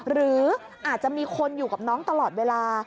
หรืออาจจะมีคนอยู่กับน้องตลอดเวลา